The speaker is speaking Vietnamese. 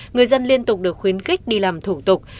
người dân liên tục được khuyến khích đi làm thủ tục